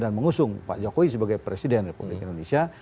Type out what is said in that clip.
dan mengusung pak jokowi sebagai presiden republik indonesia